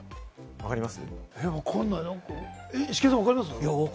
分かります。